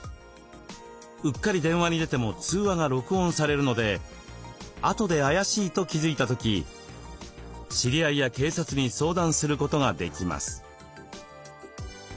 うっかり電話に出ても通話が録音されるのであとで怪しいと気付いた時知り合いや警察に相談することができます。